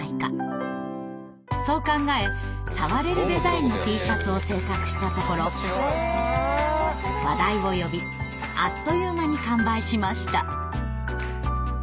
そう考え触れるデザインのＴシャツを制作したところ話題を呼びあっという間に完売しました。